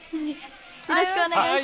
よろしくお願いします。